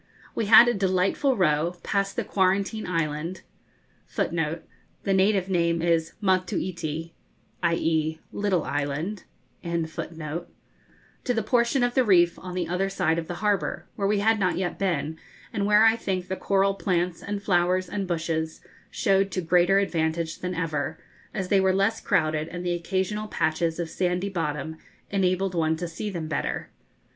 We had a delightful row, past the Quarantine Island, to the portion of the reef on the other side of the harbour, where we had not yet been, and where I think the coral plants and flowers and bushes showed to greater advantage than ever, as they were less crowded, and the occasional patches of sandy bottom enabled one to see them better.